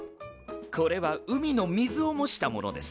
これは海の水を模したものです。